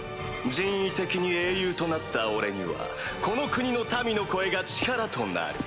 人為的に英雄となった俺にはこの国の民の声が力となる。